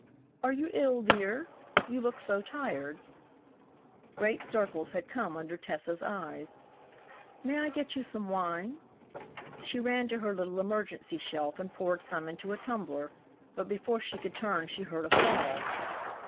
"Are you ill, dear? You look so tired," Great circles had come under Tessa's eyes. "May I get you some wine?" She ran to her little emergency shelf and poured some into a tumbler, but before she could turn she heard a fall.